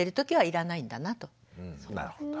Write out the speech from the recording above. なるほど。